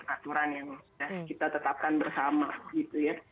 tindakan itu sesuai dengan aturan yang sudah kita tetapkan bersama gitu ya